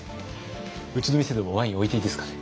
うちの店でもワイン置いていいですかね？